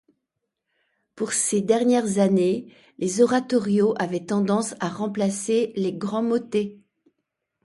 Pour ses dernières années, les oratorios avaient tendance à remplacer les grands motets.